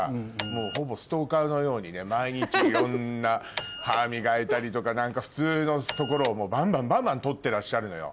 ほぼストーカーのように毎日いろんな歯磨いたりとか普通のところをバンバンバンバン撮ってらっしゃるのよ。